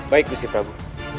baik busti prabu